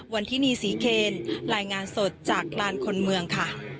วันที่นี่ศรีเคนรายงานสดจากลานคนเมืองค่ะ